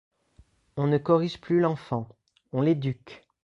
On ne corrige plus l’enfant, on l’éduque.